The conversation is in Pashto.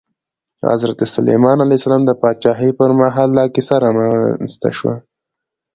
د حضرت سلیمان علیه السلام د پاچاهۍ پر مهال دا کیسه رامنځته شوه.